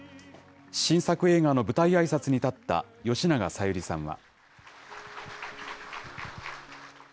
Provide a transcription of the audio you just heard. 新作映画の舞台あいさつに立った吉永小百合さんは。